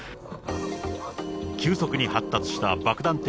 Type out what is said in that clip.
急速に発達した爆弾